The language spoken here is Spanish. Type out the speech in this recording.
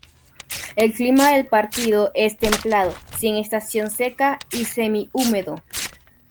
El clima del partido es templado sin estación seca y semihúmedo.